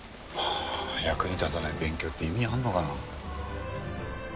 役に立たない勉強って意味あんのかな？